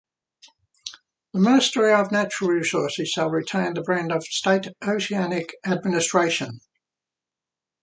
The Ministry of Natural Resources shall retain the brand of the State Oceanic Administration.